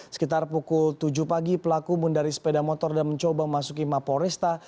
sekitar pukul tujuh pagi pelaku mundari sepeda motor dan mencoba masuk ke mapol rista